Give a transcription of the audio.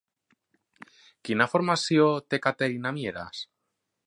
Quina formació té Caterina Mieras?